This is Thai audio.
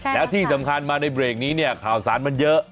แล้วที่สำคัญมาในเบรกนี้เนี่ยข่าวสารมันเยอะ